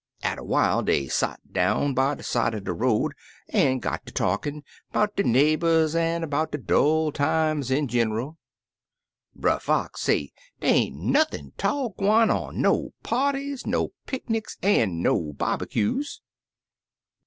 Atter while dey sot down by de side er de road, an' got ter talkin' 'bout der neighbors an' 'bout de dull times in ginerl. "Brer Fox say dey ain't nothin' 'tall gwine on, no parties, no picnics, an' no bobbycues.